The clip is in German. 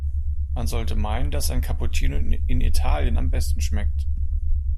Man sollte meinen, dass ein Cappuccino in Italien am besten schmeckt.